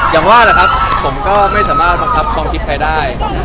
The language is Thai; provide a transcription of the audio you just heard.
อย่างว่าแหละครับผมก็ไม่สามารถบังคับความคิดใครได้